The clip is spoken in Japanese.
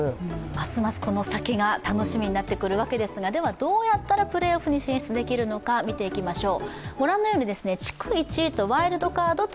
ますますこの先が楽しみになってくるわけですがどうやったらプレーオフに進出できるのか見ていきましょう。